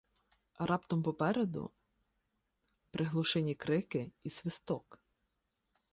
Раптом попереду — приглушені крики і свисток.